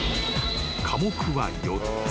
［科目は４つ］